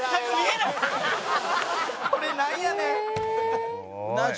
これなんやねん。